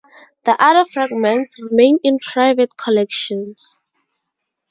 The other fragments remain in private collections.